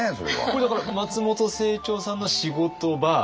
これだから松本清張さんの仕事場。